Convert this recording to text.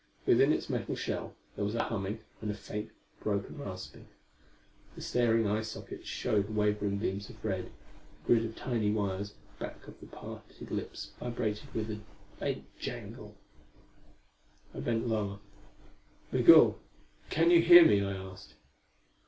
Within its metal shell there was a humming and a faint, broken rasping. The staring eye sockets showed wavering beams of red; the grid of tiny wires back of the parted lips vibrated with a faint jangle. I bent lower. "Migul, can you hear me?" I asked.